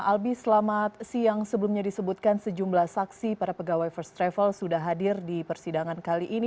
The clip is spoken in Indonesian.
albi selamat siang sebelumnya disebutkan sejumlah saksi para pegawai first travel sudah hadir di persidangan kali ini